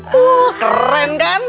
wah keren kan